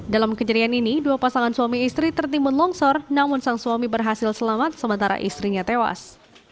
dalam kejadian ini dua pasangan suami istri tertimbun longsor namun sang suami berhasil selamat sementara istrinya tewas